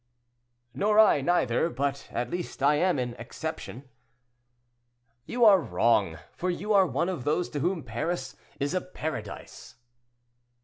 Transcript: "Nor I, neither; but at least I am an exception." "You are wrong, for you are one of those to whom Paris is a paradise."